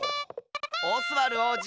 オスワルおうじ！